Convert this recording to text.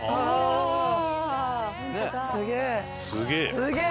すげえ！